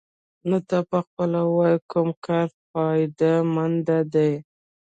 نو ته پخپله ووايه کوم کار فايده مند دې.